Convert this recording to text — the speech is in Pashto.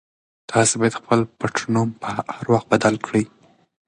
تاسي باید خپل پټنوم هر وخت بدل کړئ.